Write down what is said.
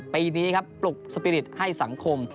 ปีนี้ครับปลุกสปีริตให้สังคม